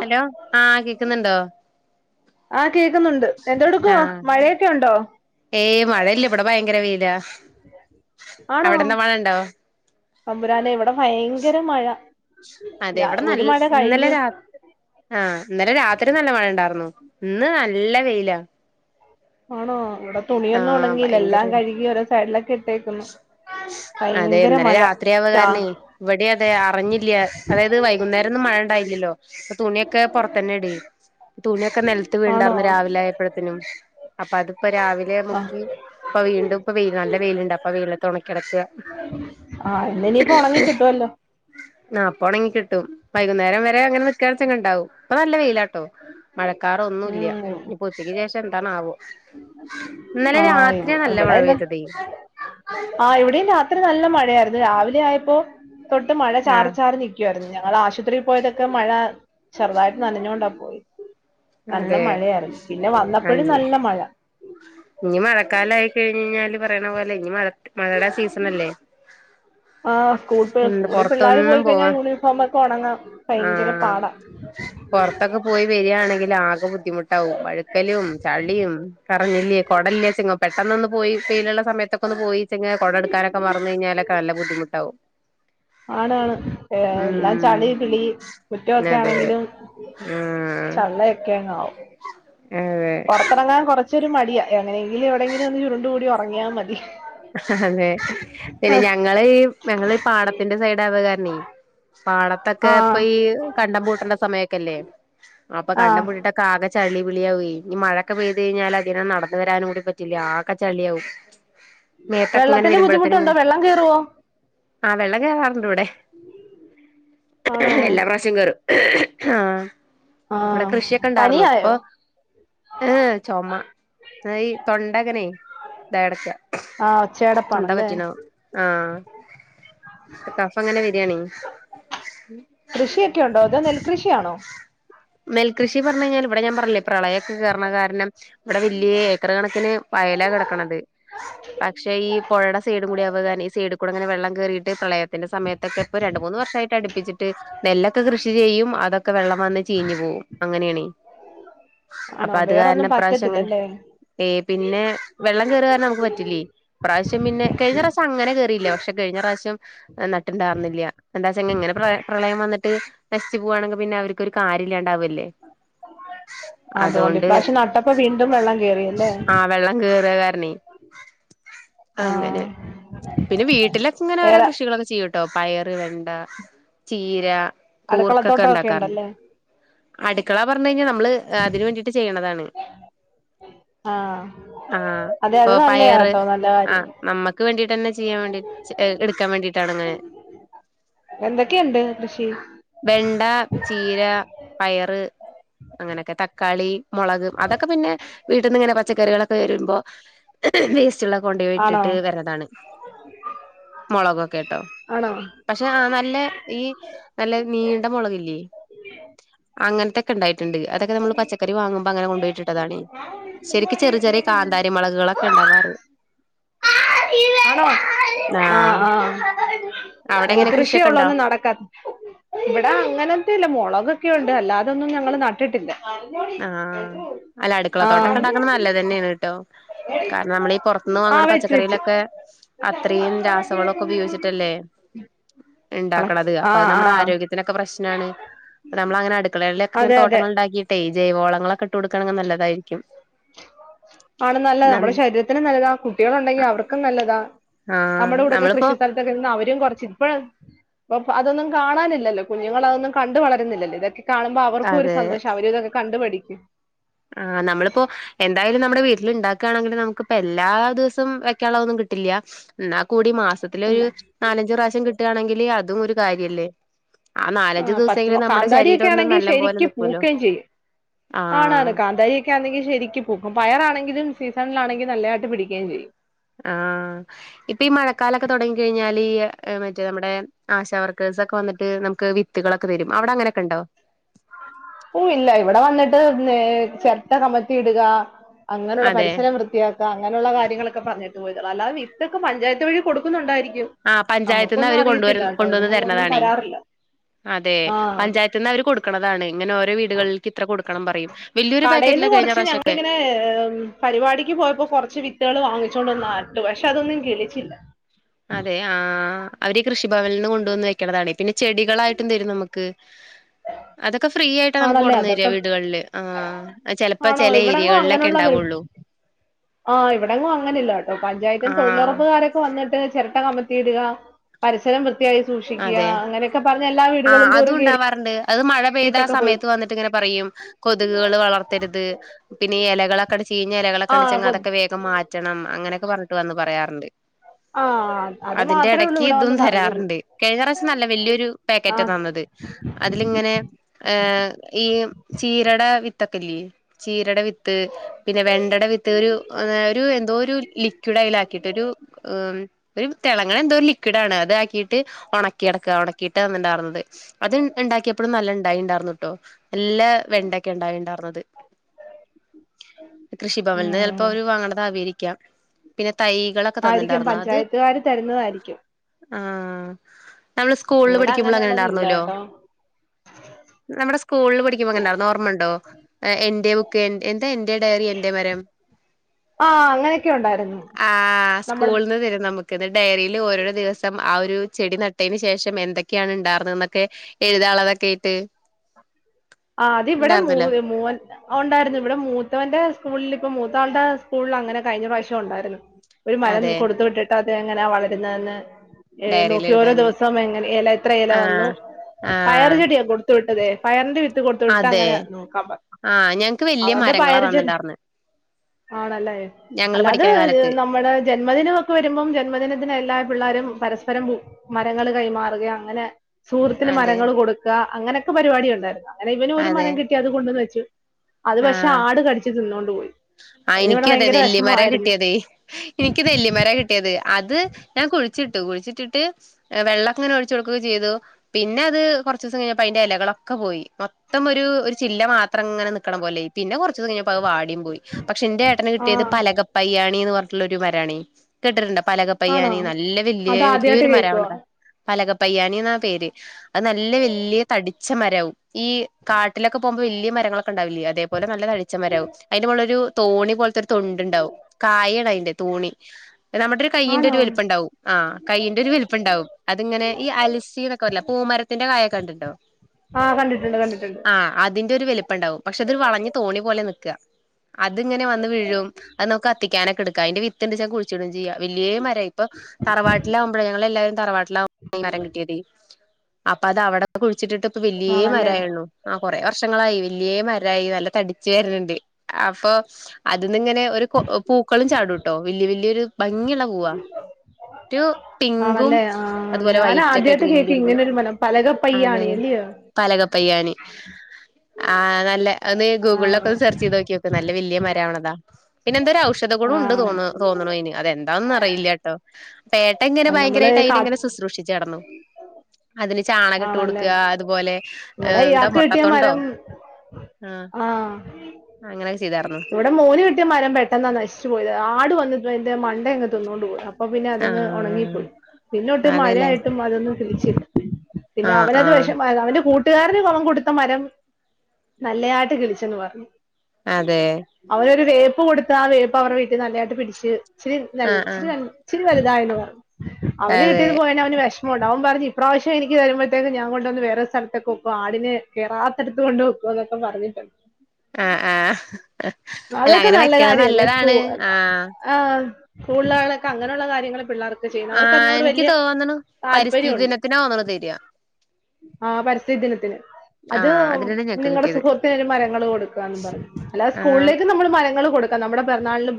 Hello ആ കേക് കേക്കുന്നുണ്ടോ ആഹ കേക്കുന്നുണ്ട് എന്തോടുക്കുവാ ആഹ് മഴയൊക്കെ ഒണ്ടോ ല അവിടെ എന്താ മഴയുണ്ടോ അമ്പുരാനെ ഇവിടം അതെ ഇവിടെ ഒരു നല്ല മഴ ഇന്നലെ കഴിഞ്ഞു രാത്രി ആഹ് ഇന്നലെ രാത്രി നല്ല മഴ ഒണ്ടാർരുന്നു ഇന്ന് നല്ല വെയിലാ ആണോ ഇവിടെ ആ തുണിയൊന്നും ഉണങ്ങിയില്ല ഭയങ്കര എല്ലാം കഴുകി ഓരോ സൈഡിലൊക്കെ ഇട്ടേക്കുന്നു അതെ ഭയങ്കര ഇന്നലെ മഴ രാത്രിയാവ ആഹ് കാരണേ ഇവിടെ അതെ അറിഞ്ഞില്ല്യ അതായത് വൈകുന്നേരൊന്നും മഴ ഇണ്ടായില്ലല്ലോ അപ്പൊ തുണിയൊക്കെ പൊറത്തന്നെയിടില് തുണിയൊക്കെ നിലത്ത് ആണോ വീണ്ടായിർരുന്നു രാവിലൊയപ്പോഴത്തിനും അപ്പൊ അതിപ്പോ രാവിലെ ആഹ് വീണ്ടും ഇപ്പോ വെയില് നല്ല വെയിലണ്ട് ലത്ത് ഒണക്കി കിടക്ക ആഹ് ഇന്നിനിയിപ്പോ ഉണങ്ങി കിട്ടുവല്ലോ ആ അപ്പോണെങ്ങി കിട്ടും വൈകുന്നേരം വരെ അങ്ങനെ [unintelligible] പ്പ നല്ല വെയില ട്ടോ മഴക്കാറൊന്നുല്യ ഉം ഇനി ഉച്ചക്ക് ശേഷ എന്താണാവോ ഇന്നലെ ആഹ് രാത്രി ആ നല്ല മഴ പെയിതതെ ആ ഇവിടെയും രാത്രി നല്ല മഴയായിരുന്നു രാവിലെ ആയപ്പോ തൊട്ട് മഴ ചാറി ആഹ് ചാറി നിക്കുവായിരുന്ന് ഞങ്ങൾ ആശുപത്രിൽ പോയതൊക്കെ മഴ ചെറുതായിട്ട് നനഞ്ഞൊണ്ടാ പോയ അതെ അഞ് നല്ല മഴ ഇനി മഴക്കാല ആയി കഴിഞ്ഞഴിഞ്ഞാല് പറയണ പോലെ ഇനി മഴ മഴയുടെ സീസണല്ലേ ആ സ്കൂൾ എന്ത് സ്കൂളി പിള്ളേർ പൊറത്തൊന്നും പോയി കഴിഞ്ഞാൽ പോവാൻ യൂണിഫോമൊക്കെ ഉണങ്ങ ഭയങ്കര ആഹ് പാടാ പൊറത്തൊക്കെ പോയി വരിയാണെങ്കില് ആകെ ബുദ്ധിമുട്ടാവും വഴുക്കലും ചളിയും കറഞ്ഞില്ലേ കൊടല്ലേ ചെങ്ങ പെട്ടെന്നൊന്ന് പോയി പയിലുള്ള സമയത്തൊക്കെ ഒന്ന് പോയി ചെങ്ങ കൊട എടുക്കാനൊക്കെ മറു കഴിഞ്ഞാലൊക്കെ നല്ല ബുദ്ധിമുട്ടാാവും ആണാണ് ഏ എല്ലാം ചളി പിളി മുറ്റം ഒക്കെ അതെ ആണെങ്കിലും ആഹ് ചള്ളയൊക്കെങ്ങാവും അതെ [inaudible] പുറത്തിറങ്ങാൻ കൊറച്ചൊരു മടിയാ എങ്ങനെങ്കിലും എവിടെങ്കിലും ഒന്ന് ചുരുണ്ട് കൂടി ഉറങ്ങിയാ മതി അതെ പിന്നെ ഞങ്ങള് ഞങ്ങ പാടത്തിന്റെ സൈഡ് ആവ കാരണം ആ പാടത്തൊക്കെ ഇപ്പ ഈ കണ്ടംപൂട്ടേണ്ട സമയൊക്കെല്ലേ അപ്പൊ ആ കണ്ട പൂട്ടിട്ട ക്കാകെ ചളി വിളിയാവ ഇനി മഴൊക്കെ പെയ്ത് കഴിഞ്ഞാൽ അതിന നടന്ന് വരാനും കൂടി പറ്റില്ല ആകെ ചളിയാവും മേത്തൊക്കെ ഇങ്ങനെ വെള്ളത്തിന്റെ ബുദ്ധിമുട്ടുണ്ടോ വെള്ളം കേയറുവോ ആ വെള്ളം കേരാറുണ്ട് ഇവിടെ ആണോ എല്ലാ പ്രാവശ്യം കേറും ആ ആ ഇവിടെ കൃഷിയൊക്കെ ഉണ്ടായിർന്നു ഇപ്പൊ പനിയായോ ഏ ചുമ ഈ തൊണ്ടകനെ ഇതടയ്ക്ക ഒച്ചടപ്പാണല്ലേ ആ കൃഷി ഒക്കെ ഉണ്ടോ നെൽകൃഷി ആണോ നെൽക്കൃഷി പറഞ്ഞു കഴിഞ്ഞാൽ, ഇവിടെ ഞാൻ പറഞ്ഞില്ലേ പ്രള യക്കെ കേർണ കാരണം ഇവിടെ വലിയ ഏക്കറ് കണക്കിന് വയലാ കെടക്കണത്. പക്ഷേ, ഈ പൊഴടെ സൈഡും കൂടി അവക ഈ സൈഡിക്കൂടങ്ങനെ വെള്ളം കേറീട്ട് പ്രളയം. ത്തിന്റെ സമയത്തൊക്കെ ഇപ്പ രണ്ട് മൂന്ന് വർഷമായിട്ട് അടുപ്പിച്ചിട്ട് നെല്ലൊക്കെ കൃഷി. ചെയ്യും അതൊ ഒക്കെ വെള്ളം വന്ന് ചീഞ്ഞു പോകും അങ്ങനെയാണേ. അപ്പൊ ആണോ അത് വേറൊന്നും കാരണം ഈ പ്രാവശ്യം അങ്ങനെ പറ്റത്തില്ലല്ലേ പിന്നെ വെള്ളം കേറുകാരണം നമുക്ക് പറ്റില്യേ. ഈ പ്രാവശ്യം പിന്നെ, കഴിഞ്ഞ പ്രാവശ്യം അങ്ങനെ കേറിയില്ല. പക്ഷെ കഴിഞ്ഞ പ്രാവശ്യം നട്ടുണ്ടായിരുന്നില്ല. എന്താച്ചെങ്ങിനെ പ്ര പ്രളയം വന്നിട്ട്. ക്ക് നശിച്ച പോവാണെങ്കിൽ പിന്നെ അവരിക്കൊരു കാര്യയില്ലാണ്ടാവയല്ലേ. ല്ലേ. അതുകൊണ്ട് അതൊണ്ട് ഇപ്രാവശ്യം നട്ടപ്പോ വീണ്ടും വെള്ളം കേറിയല്ലേ ആ വെള്ളം കേറിയക്കാരണേ. അങ്ങനെ. ആഹ് പിന്നെ വീട്ടിലൊക്കെങ്ങിനെ ഓരോ വേറെ കൃഷികളൊക്കെ ചെയ്യു ട്ടോ പയറ്, വെണ്ട, ചീര കൂർക്കക്കെ അടുക്കളത്തോട്ടം ഒക്കെ ഉണ്ടാക്കാറുണ്ട്. ഉണ്ടല്ലേ അടുക്കള പറഞ്ഞു കഴിഞ്ഞാൽ നമ്മള് അതിന് വേണ്ടിട്ട് ചെയ്യണതാണ്. ആഹ് ആ അതെ അത് നല്ലയാ കേട്ടോ നല്ല കാര്യം നമ്മെ വേണ്ടിട്ടന്നെ ചെയ്യാൻ വേണ്ടി ചെ എടുക്കാൻ വേണ്ടിട്ടാണ് അങ്ങനെ. എന്തൊക്കെയുണ്ട് കൃഷി വെണ്ട, ചീര പയറ് അങ്ങനക്കെ തക്കാളി. മുളകും. അതൊക്കെ പിന്നെ വീട്ടിന്നിങ്ങനെ. പ ച്ചക്കറികളൊക്കെ വരുമ്പോ വേസ്റ്റുള്ള കൊ ആണോ ഇട്ടു തരണതാണ്. മുളകൊക്കെ ഇട്ടോ? ആണോ പക്ഷെ ആ നല്ല ഈ നല്ല നീണ്ട മുളകില്ലേ? അങ്ങനത്തെക്ക യൊണ്ടായി ട്ടുണ്ട്. അതൊക്കെ നമ്മള് പച്ചക്കറി വാങ്ങുമ്പോ അങ്ങനെ കൊണ്ട് പോയിട്ടിട്ടതാണേ. ശെരിക്ക് ചെറിയ ചെറിയ കാന്താരിമുളകു കളൊക്കെ ഉണ്ടാവാറ്. ആണോ? ആഹ് ആഹ് [inaudible] അവിടെ എങ്ങനെ കൃഷിയൊക്കെ നെൽകൃഷിയൊള്ള് ഉണ്ടോ ഒന്നും നടക്കാ. ഇവിടെ അങ്ങനൊന്നുല്ല മൊളക്. ക്കെണ്ട് അല്ലാതൊന്നും ഞങ്ങള് നട്ടിട്ടില്ല. ആഹ്, അല്ല ആഹ് അടുക്കളത്തോട്ടൊക്കെയൊണ്ടാക്കണ നല്ലത് തന്നെയാണ് കേട്ടോ. കാരണം നമ്മളീ പൊറത്തൂന്ന് വാങ്ങണ ആഹ് പച്ച വെച്ച് വെച്ച് ച്ചക്കറിയിലൊക്കെ അത്രയും രാസവളക്കൊപയോഗിച്ചിട്ടല്ലേ. ഇണ്ടാക്കണത്. ആ അപ്പൊ അത് നമ്മ്ടെ ആ ആരോഗ്യത്തിനെക്കെ പ്രശ്നാണ്. പ്പ നമ്മള് അങ്ങനെ അടുക്ക അങ്ങനെ അതെ അതെ തോട്ടങ്ങളൊണ്ടാക്കി. ഈ ജൈവളങ്ങളൊക്കെയിട്ട് കൊടുക്കണങ്കി നല്ലതായിരിക്കും. ആണ് നല്ലത്. നം നമ്മളെ ശരീരത്തിനും നല്ലതാ. കുട്ടികളൊണ്ടെങ്കിൽ അവർക്കും നല്ലതാ. ആഹ് നമ്മുടെ കൂടെക്കെ നമ്മളിപ്പോ കൃഷി സ്ഥലത്തൊക്കെ നിന്ന് അവരും കുറ ഇപ്പഴ ഇപ്പ അതൊന്നും കാണാനില്ലല്ലോ കുഞ്ഞുങ്ങൾ അതൊന്നും കണ്ട വളരുന്നില്ലല്ലോ ഇതൊക്കെ കാണുമ്പോ അവർക്കും ഒരു സന്തോഷ അവരിതൊക്കെ കണ്ടുപഠി ഇ ആഹ നമ്മളിപ്പോ എന്തായാലും നമ്മടെ വീട്ടി ഉണ്ടാക്കുകയാണെങ്കി നമുക്കിപ്പ എല്ലാ ദിവസം വെക്കാനുള്ള ഒന്നും കിട്ടില്ല എന്നാക്കും കൂടി മാസത്തിലെ ഒര് എന്നാ നാലഞ്ച് റാവിശ്യം കി കിട്ടാആണെങ്കില് അതും ഒര് കാര്യല്ലേ ആ നാലഞ്ചു പച്ചമ ദിവസമെങ്കിലും നമ്മുടെ ശരീരം കാന്താരിയെക്കെ ഒന്ന് ആണെങ്കി നല്ല പോലെ ശെരിക്കും നിക്കൂല്ലോ പൂക്കയും ചെയ്യും ആണാണ് ആഹ് കാന്താരി ക്കാനെങ്കി ശെരിക്ക് പൂകും പയറാണെങ്കിലും സീസണിലാണെങ്കി നല്ലതായിട്ട് പിടിക്കുകയും ചെയ്യും ആഹ്ആ ഇപ്പൊ ഈ മഴക്കാലക്കെ തുടങ്ങി കഴിഞ്ഞാല് ഈ മറ്റേ നമ്മുടെ ആശ വർക്കേഴ്സ് ഒക്കെ വന്നിട്ട് നമുക്ക് വിത്തുകളൊക്കെ തരും അവടങ്ങനെക്കൊണ്ടോ ഓഹ് ഇല്ല ഇവിടെ വന്നിട്ട് ചെരട്ട കമത്തി ഇടുക അങ്ങനൊള്ള അതെ പരിസരം വൃത്തിയാക്ക അങ്ങനെയുള്ള കാര്യങ്ങളൊക്കെ പറഞ്ഞിട്ട് അല്ലാതിത്തോക്കെ പഞ്ചായത്ത് വഴി കൊടുക്കുന്നൊണ്ടായിരിക്കും ആഹ് പഞ്ചായത്തീന്ന് അവര് കൊണ്ട് വരും ഇവിടന്നും ഒന്നും കൊണ്ടന്ന്തരുന്നതാണേ തരാറില്ല അതെ ആ പഞ്ചായത്ത് നിന്ന് അവര് കൊടുക്കണതാണ് ഇങ്ങനെ ഓരോ വീടുകളിലേക്ക് ഇത്ര കൊടുക്കണം പറയും വലിയൊരു പാക്കറ്റിലാ കടയിൽന്ന് കഴിഞ്ഞ കുറച്ച് പ്രാവശ്യൊക്കെ ഞങ്ങളിങ്ങനെ പരിപാടിക്ക് പോയപ്പോ കുറച്ച് വിത്തുകൾ വാങ്ങി ആറട്ട് ക്ഷെ അതൊന്നും ഗിളിച്ചില്ല അതെ ആഹ്ആ അവരീ കൃഷിഭവനിന്ന് കൊണ്ടന്നെക്കണതാണെ പിന്നെ ചെടികളായിട്ട് തരും നമുക്ക് അതെക് ആണല്ലേ അതക്കെ ആഹ് ചെലപ്പോ ആണോ ചെല ഇവിടെങ്ങും ഏരിയകളിലൊക്കെ അങ്ങനെുള്ളവര് ഇണ്ടാവുള്ളൂ ആ ഇവിടെങ്ങും അങ്ങനില്ല കേട്ടോ പഞ്ചായത്തി ആഹ് തൊഴിലുറപ്പുകാര് വന്നിട്ട് ചെല ട്ട കമത്തിയിട്ക പരിസരം വൃത്ത് ത്തിയായി സൂക്ഷിക്കുക അതെ അങ്ങനെക്കെ പറഞ് എല്ലാ ആഹ് വീടുകളും ദോരും അതും കേറി ഉണ്ടാവാറുണ്ട് അത് മഴ പെയ്താ ആ സമയത്ത് വന്നിട്ട് ഇങ്ങനെ പറയും കൊതുക് കൾ വളർത്തരുത് പിന്നെ ഇലകളൊക്കെ ചീഞ് ആ ഇലകളൊക്കെ ഉണ്ടെ പൊ അതൊക്കെ വേഗം മാറ്റണം അങ്ങനൊക്കെ പറഞ്ഞിട്ട് വന്ന് പറയാറ്ണ്ട് ആഹ്ആ അത് മാത്ര ഒള്ളൂ ഇവിടെ വന്ന് പറഞ്ഞത് കഴിഞ്ഞറാശ്യം നല്ല വല്യരു ആ പാക്കറ്റ തന്നത് അതിലിങ്ങനെ ഈ ചീരടെ വി തക്കിലി ചീരടെ വിത്ത് വിത്ത് പിന്നെ വെണ്ടടെ വിത്ത് ഒര് ഒരു എന്തോ ഒരു ലിക്വിഡ് അയില് ആക്കിട്ട് ഒരു ഒരു തെളങ്ങണെന്തോ ഒര് ലിക്വിഡ് ആണ് അത ആക്കിയിട്ട് ഉണക്കി എടക്കാ ഉണക്കിട്ട് വന്നിണ്ടായിരുന്നത് അത് ഉണ്ടാക്കിയപ്പോഴും നല്ല ഇണ്ടായി ഉണ്ടായിർന്നട്ടോ എല്ലാ വെണ്ടൊക്കെ ണ്ട ണ്ടാർന്നത് കൃഷിഭവനിൽന്ന് ഉം ചിലപ്പോ അവര് വാങ്ങൻണ്ടത് ആ വിരിക്കാം പിന്നെതീ ആയിരിക്കും പഞ്ചായത്ത്കാര് തരുന്നതായിരിക്കും ആഹ്ആ നമ്മള് സ്കൂളിൽ ഇവിടെ പഠിക്കുമ്പോൾ അങ്ങനെ അങ്ങനെയുള്ളത് ഇല്ല ഉണ്ടായിരുന്നല്ലോ കേട്ടോ നമ്മുടെ സ്കൂളിൽ പഠിക്കുമ്പോണ്ട ഓർമ്മുണ്ടോ എ ബുക്ക് എന്താ എന്റെ ഡയറി എന്റെ മരം ആ അങ്ങനെയൊക്കെ ഉണ്ടായിരുന്നു ആ നമ്മൾ സ്കൂളന്ന് തരും നമുക്ക് ഡയറിയില് ഓരോരോ ദിവസം ആ ഒരു ചെടി നട്ടതിന് ശേഷം എന്തൊക്കെയാണ് ഉണ്ടായിരുന്നത് എന്നൊക്കെ എഴുതാനുള്ളതൊക്കെ ഇട്ട് ആ അത് ഇവിടെ മൂ മൂവൻ ഉണ്ടായിരുന്നു മൂത്തവന്റെ സ്കൂളിൽ ഇപ്പൊ മൂത്താളുടെ സ്കൂളിൽ അങ്ങനെ കഴിഞ്ഞ പ്രാവശ്യം ഉണ്ടായിരുന്നു ഒരു മരം അതെ കൊടുത്തു വിട്ടിട്ട് ഇതെങ്ങനാ വളരുന്നതെന്ന് ഏ ഡയറിൽ നോക്കി ഓരോ എഴുതാന് ദിവസം എങ്ങനെ ഇല ഇത്ര ഇല വന്നു ആഹ് പയർ ആഹ് ചെടിയൊക്കെ കൊടുത്ത വിട്ടതെ പയറിന്റെ വിത്ത് അതെ നോക്കാൻ പറഞ്ഞു ആ ഞങ്ങക്ക് വലിയ അവന്റെ മരങ്ങളാ പയറ് ചെ തന്നിട്ടുണ്ടായിരുന്നേ ആണല്ലേ അല്ലാതെ നമ്മുടെ ജന്മദിനമൊക്കെ വരുമ്പോം ജന്മദിനത്തിന് എല്ലാ പിള്ളേരും പരസ്പരം മരങ്ങൾ കൈമാറുക അങ്ങനെ സുഹൃത്തിന് അതെ മരങ്ങൾ കൊടുക്കുക അങ്ങനെ പരിപാടി ഉണ്ടായിരുന്നോ ഇവന് ഒരു മരം കിട്ടി അത് കൊണ്ടുവന്ന് വച്ചു ആ പോയി ആ അതിനിവിടെ എനിക്കും അതെ ഭയങ്കര വിഷമമായിരുന്നു എനിക്ക് നെല്ലിമര കിട്ടിയത് അത് ഞാൻ കുഴിച്ചിട്ടു കുഴിച്ചിട്ട് വെള്ളം ഇങ്ങനെ ഒഴിച്ചു കൊടുക്കുക ചെയ്തു പിന്നെ അത് കുറച്ച് ദിവസം കഴിഞ്ഞപ്പ അതിന്റെ ഇലകളൊക്കെ പോയി മൊത്തം ഒരു ചില്ല മാത്രം ഇങ്ങനെ നി ആക്കണം പോലെ പിന്നെ കുറച്ച് ദിവസം കഴിഞ്ഞ് അത് വാടി പോയി പക്ഷെ എന്റെ ഏട്ടന് ആ കിട്ടിയത് പലകപ്പയ്യാണിഎന്ന് പറഞ്ഞ ഒരു മരണി കേെട്ടിട്ടു ടൊ [unintelligible] ആണോ പലകപ്പയ്യാനി നല്ല വലിയ അത് ആദ്യമായിട്ട് വലിയൊരു കേൾക്കുവാ മരമാകണതാ പലക പയ്യാനി എന്ന പേര് അത് നല്ല വലിയ തടിച്ച മരമാവും ഈ കാട്ടിലൊക്കെ പോകുമ്പോ വലിയ മരങ്ങളൊ ഉണ്ടാവില്ല അതേ പോലെ നല്ല തടിച്ചമരമാകും അതിന്റെ മുകളിൽ ഒരു തോണി പോലെ തൊണ്ടുണ്ടാവും കായയാ തോണി നമ്മുടെ ഒരു കൈയ്യിന്റെ ആണോ ഒരു വലിപ്പം ഉണ്ടാവും ആ കൈയ്യിന്റെ ഒരു വലിപ്പം ഉണ്ടാവും അതിങ്ങനെ ഈ അലിസി എന്നൊക്കെ പൂമരത്തിന്റെ കായൊക്കെ കണ്ടിട്ടുണ്ടോ ആ കണ്ടിട്ടുണ്ട് കണ്ടിട്ടുണ്ട് ആ അതിന്റെ ഒരു വലിപ്പ എപ്പണ്ടാവും പക്ഷെ ഇതൊരു വളഞ്ഞ് തോണി പോലെ നിക്കുക. അത്ങ്ങനെ വന്ന് വീഴും അത് നമുക്ക് കത്തിക്കാന എടുക്ക അതിന്റെ വിത്ത്ണ്ട് ച കുഴിച്ചിടും ചെയ്യാ വലിയ മരായി ഇപ്പൊ തറവാട്ടിലാകുമ്പോഴ ഞങ്ങള് എല്ലാരും തറവാട്ടിലാ മരം കിട്ടിയതേ അപ്പൊ അത് അവിടെ കുഴിച്ചിട്ടിട്ട്. വലിയേ ആണല്ലേ മരായുള്ളു അ കുറെ വർഷങ്ങളായി വ വലിയേ മ രായി നല്ല തടിച്ചു വരണുണ്ട് അപ്പൊ അ അതീങ്ങനെ ഒരു കൊ പൂക്കളും ചാടുട്ടോ വല്യ വല്യ എയരു ഭംഗിയള പോൂവാ ആണല്ലേ ആ ഞാൻ വൈറ്റ് ഒക്കെ ആയിട്ട് ആദ്യായിട്ട് കേക്കാ വലിയൊരു പൂ ഇങ്ങനൊരുമനം പലകപയ്യാണി അല്ലിയോ പയ്യാണി ആന്നല്ലേ. അത് നീ ആ ഗൂഗിളിലൊക്ക ഒന്ന് സെർച്ച്‌ ചെയ്ത് നോക്കിനോക്ക് നല്ല വല്യ മര രാവണതാ. പിന്നെ എന്തോരു ഔഷധ ആ ഗുണം ഉണ്ട് തോന്ന് തോന്നണ് അയിന് അതെന്താ ന്താന്ന് അറിയില്ലാട്ടോ. പേട്ട എങ്ങനെ ആ, നമ്മള് ഭയങ്കരായിട്ട് കാ അയിനെങ്ങനെ ശുശ്രൂഷിച്ചുഅടന്നു അതി ചാണകഇട്ടു ആണല്ലേ കൊടുക്കുക അതുപോലെ ഇവിടെ എന്താ മുട്ടതൊണ്ടോ. ആഹ ഇവിടെ മോന് കിട്ടിയ മരം പെട്ടെന്നാ നശിച്ചു പോയത് ആട് വന്നിട്ടതിന്റെ മണ്ട അങ്ങ് തിന്നോണ്ട് പോയ്. അപ്പൊ പിന്നെ അതങ്ങ് ആഹ് ഉണങ്ങിപ്പോയി പിന്നൊട്ടു അതെല്ലേ മഴയായിട്ടും അതൊന്നും. പിടിച്ചില്ല. പിന്നെ ആഹ് അവനത് ആഹ് വിഷമം ആയിരുന്നു അവന്റെ കൂ കൂട്ടുകാരന് അവൻ കൊടുത്ത മരം നല്ലയായിട്ട് കിളിച്ചെന്ന് പറഞ്ഞു. അതെ അവനൊരു വേ പ്പ് കൊടുത്ത് ആ വേപ്പ് അവർടെ വീട്ടിൽ നല്ലയായിട്ട് പിടിച്ച്. ചിരി ആഹ് ആഹ് [unintelligible] ഇതായെന്നു പറ അവന് അതെ കിട്ടിയത് പോയേന് അവന് വിഷമ ടവൻ പറഞ്ഞു ഇപ്രാവശ എനിക്ക് തരുമ്പോതേന് ഞാൻ കൊണ്ട് വന്ന് വേറെ സ്ഥലതൊക്കും ആടിന്ന് കേറാത്തട്ത്ത് കൊണ്ട് വെക്കും അതൊക്കെ പറഞ്ഞിട്ടുണ്ട് ആ ആഹ അല്ല അതൊക്കെ അങ്ങനെ നല്ല വെക്കണ കാര്യല്ലേ നല്ലതാണ് ആഹ് സ്കൂളിൽ ആണ് അങ്ങനുള്ള കാര്യങ്ങള് പിള്ളേർക്ക് ചെയ്യുന്നു ആ അവർക്ക് എനിക്ക് തോന്നന്ന പരിസ്ഥിതി ദിനത്തി ആഹ പരിസ്ഥി ദിനത്തിന് അത് ആഹ് അതിനാണ് ഞങ്ങക്ക് നിങ്ങളുടെ കിട്ടിയത് സുഹൃത്തിന് ഒരു മരങ്ങള് കൊടുക്കാന്ന് പറഞ്ഞ് അല്ലാതെ ആഹ് സ്കൂളിലേക്ക് നമ്മൾ മരങ്ങള് കൊടുക്കാം നമ്മുടെ പിറന്നാളിനും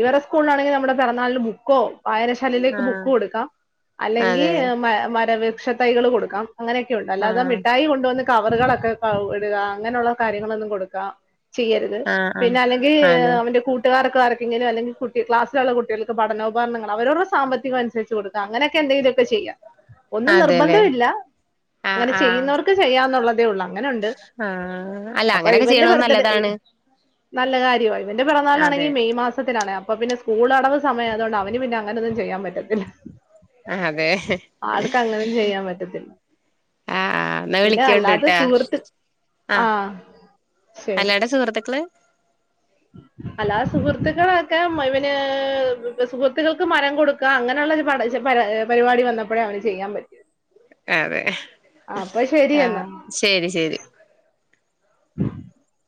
ഇവരുടെ സ്കൂളിലാണെങ്കിൽ നമ്മുടെ പിറന്നാളിന് ബുക്കോ വായനശാലയിലേക്ക് ബുക്ക് ആഹ് കൊടുക്കാം അല്ലെങ്കിൽ അതെ മര വൃക്ഷ തൈകൾ കൊടുക്കാം അങ്ങനെയൊക്കൊണ്ട് അല്ലാതെ ആഹ് മിട്ടായി കൊണ്ടുവന്ന് കവറുകളൊക്കെപ്പ വ് ഇടുക അങ്ങനെയുള്ള കാര്യങ്ങളൊന്നും കൊടുക്കാ ചെയ്യരുത് ആഹ് ആഹ് പിന്നെ അല്ലെങ്കീ അതെ അവന്റെ കൂട്ടുകാർ ക്ക് ആർക്കെങ്കിലും അല്ലെങ്കിൽ കുട്ടി ക്ലാസിലൊള്ള കുട്ടികൾക്ക് പഠനോപകരണൾ അവരോര്ടെ സാമ്പത്തിക അനുസരിച്ച് കൊടുക്കാ അങ്ങനെയൊക്കെ എന്തെങ്കിലൊക്കെ ചെയ്യാം ഒന്നും അതെല്ലേ നിർബന്ധവില്ല ങ്ങനെ ചെയ്യുന്നവർക്ക് ചെയ്യാന്നുള്ള തേ ഉള്ളാ ആ അല്ല അങ്ങനൊക്കെ ഇവന്റെ ചെയ്യ്ണും ബർത്ത്ഡേ നല്ലതാണ് നല്ല കാര്യവായും ഇവന്റെ അതെ പിറന്നാളാണെങ്കിൽ മെയ് മാസത്തിലാണ് അപ്പൊ പിന്നെസ് സ്കൂളടവ് സമയായതൊണ്ട് അവന് പിന്നെ അങ്ങനൊന്നും ചെയ്യാൻ പറ്റത്തില്ല ആ അതെ ക്ക് അങ്ങനും ചെയ്യാൻ പറ്റത്തില്ല ആഹ് എന്നാ പിന്നെ അല്ലാതെ വിളിക്കോണ്ടിട്ടാ സുഹൃത്ത് ആ ആഹ് ശരി അല്ലാടെ സുഹൃത്തുക്കള് അല്ലാതെ സുഹൃത്തുക്കളൊക്കെ മെവന് സുഹൃത്തുക്കൾക്ക് മരം കൊടുക്ക അങ്ങനെള്ളൊരു പടേശ പച പരിപാടി വന്നപ്പോഴേ അവന് ചെയ്യാൻ പറ്റിയ അതെ ശരി ആ എന്നാ ശരി ശരി [inaudible]